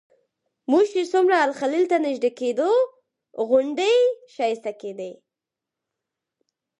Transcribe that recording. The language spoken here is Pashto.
موږ چې څومره الخلیل ته نږدې کېدو غونډۍ ښایسته کېدې.